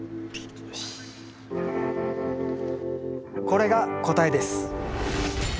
これが答えです。